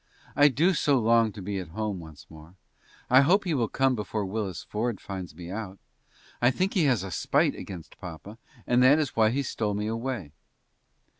I do so long to be at home once more. I hope he will come before Willis Ford finds me out. I think he has a spite against papa, and that is why he stole me away.